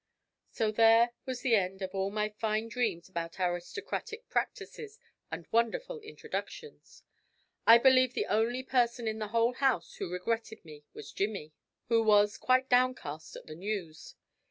So there was the end of all my fine dreams about aristocratic practices and wonderful introductions! I believe the only person in the whole house who regretted me was Jimmy, who was quite downcast at the news.